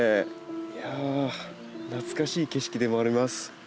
いやあ懐かしい景色でもあります。